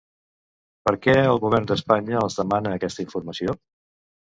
Per què el Govern d'Espanya els demana aquesta informació?